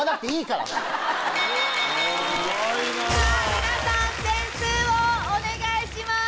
皆さん点数をお願いします。